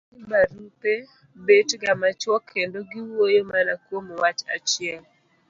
ng'eny barupe bet ga machuok kendo giwuoyo mana kuom wach achiel.